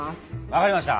わかりました！